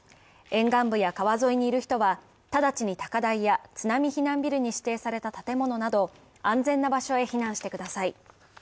沿岸部や川沿いにいる人は直ちに高台や津波避難ビルに指定された建物など安全な場所へ避難してください。